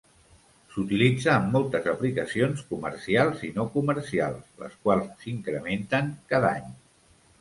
S'utilitza en moltes aplicacions comercials, i no comercials, les quals s'incrementen cada any.